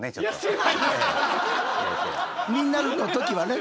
みんなの時はね。